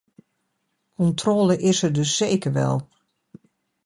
Controle is er dus zeker wel.